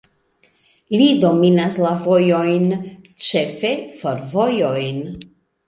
Li dominas la vojojn, ĉefe fervojojn.